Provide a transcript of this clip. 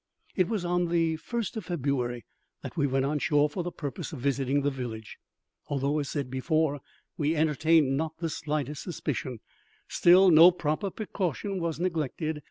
It was on the first of February that we went on shore for the purpose of visiting the village. Although, as said before, we entertained not the slightest suspicion, still no proper precaution was neglected.